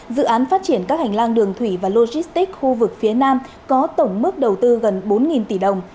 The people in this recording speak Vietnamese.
dự án phát triển các hành lang đường thủy và logistics khu vực phía nam có tổng mức đầu tư gần bốn tỷ đồng